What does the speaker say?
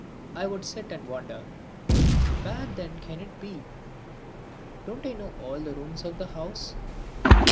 I would sit and wonder: "Where then can it be? Don't I know all the rooms of the house?"